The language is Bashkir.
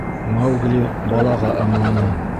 — Маугли балаға ымланы.